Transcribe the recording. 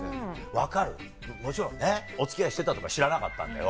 分かるもちろんねお付き合いしてたとか知らなかったんだよ。